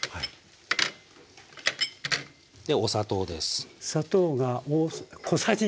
でお砂糖です。